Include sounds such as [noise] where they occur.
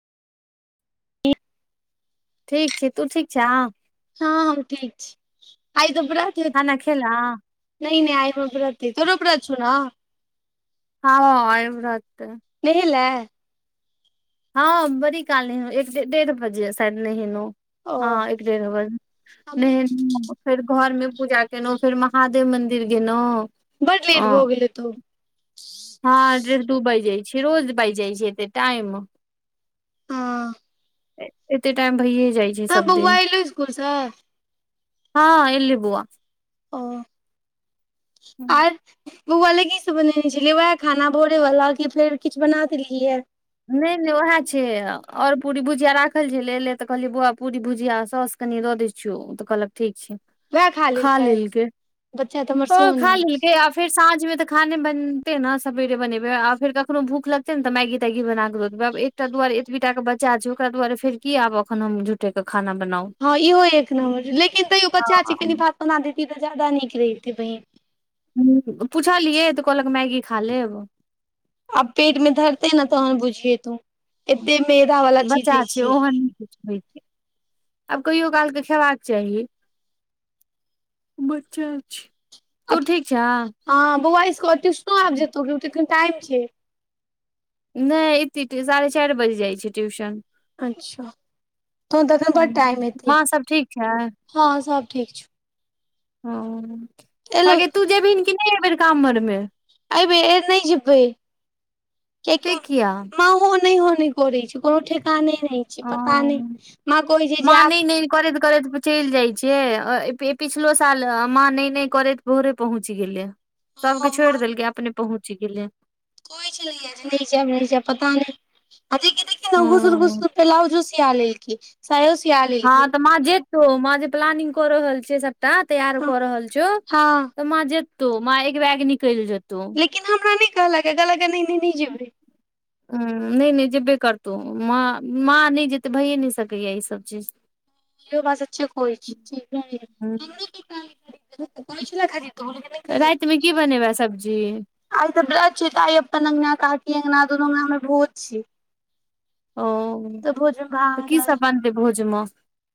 ठीक छै तू ठीक छै। हँ हम ठीक छी आइ त व्रत। हेतौ खाना खेलैं। नहि नहि आइ हमर व्रत अय तोरो व्रत छौ न। हँ आय व्रत। नहिलै। हँ बरी काल नहेलो एक डढ़ बजे शायद नहेलो। ओ हँ एक ढेर बजे हमहूँ नहेलो हन। फेर घर में पूजा केलहुँ, फेर महादेव मंदिर गेलहुँ। बड् लेट भऽ गेल हेतौ। हँ डेढ दू बाइज जाइ छै रोज बाइज जाइ छै ऽते टाइम। ओ। एऽते टाइम भइए जाइ छै तब सब बौआ दिन। एलौ स्कूलसँ हँ एलै बउआ। O R. बउआ लै की सब बनेने छलियै वएह खाना भोरे वाला की फेर किछ बना देलियै या। नहि नहि उएह छै आओर पूरी भुजिया राखल छैे तऽ कहलियै बौआ पूरी भुजिया सौस। कनि दऽ दै छियौ ओ तऽ कहलक ठीक छै। वएह खा लेलकै लेलके बच्चा तऽ हमर हं सोन खा अइ लेलके आब। फेर साँझ में त खाने बनतै न सबेरे बनेबे आ फेर कखनो भूख लगते न त मैगी -तैगी बना। ब एकटा दुआरे एतबी टा के बचा छै ओकरा दुआरे फेरी आब अख हम झुूटे के खाना बनाउ। हँ इहो एक नमर लेकिन तैयो बच्चा हँ छै कनि भात बना दैतीये तऽ ज्यादा नीक लगतै बहिन। हूं पूछलियै तऽ कहलक मैगी खा लेब। आब पेट मे धरते ने तहन बुझिये तू एते मैदा वाला चीज बच्चा दै छै छियै। ओहन नहि आब कहियो कालकऽ खेबाक चाही। बच्चा छै तू आब ठीक छै। हँ बौआ ट्यूशनो आबि जेतौ की अखन टाइम छै। नहि एते साढ़े चारि बजे जाइ छै ट्यूशन। अच्छा, तखन त अखन बड टाइम हेतै, माँ सब ठीक छै हं सब ठीक छै। हं, एलौ हगै तू जेबही कि नहि एहि बेर कामर में? अइ बेर नहि जेबै कियेकि से किया मांओ नै हं नै करै छै कोनो ठेकाने नहि ओ छै पता नहि माँ कहै छै जे माँ नहि जायब नहि करैत करैत चलि जाइ छै पिछलो साल माँ नै नै करैत भोरे पहुँच गेलै। सभके हँ छोड़ि देलकै अपने पहुँच गेलै। [unintelligible] हँ [unintelligible] साया सिया लेब। हँ तऽ मां जेतौ, मां जे प्लानिंग कर रहल छै त तैयार कऽ रहल छौ हँ तऽ मां जेतौ, माँ एक बैग निकैल जेतौ। हूँ लेकिन हमरा नहि कहलके, कहलके नै नै, नै जेबै। नै नै जेबे करतौ, माँ माँ नहि जेतै, भैए नहि सकैये ई सब चीज। से बात सब चेक होइ छै हँ [unintelligible] [unintelligible] खेमें सब्जी। आइ त ब्रत छै ते आई अपन अंगना, काकी अंगना, दुनु अंगना मे भोज छै। ओ, तऽ भोज मे तऽ भात की दाइल सब बनतै भोजमे।